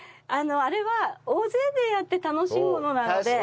あれは大勢でやって楽しむものなので。